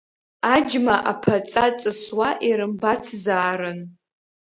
Аџьма аԥаҵа ҵысуа ирымбацзаарын.